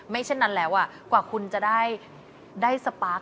เช่นนั้นแล้วกว่าคุณจะได้สปาร์ค